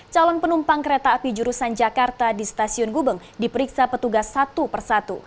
calon penumpang kereta api jurusan jakarta di stasiun gubeng diperiksa petugas satu persatu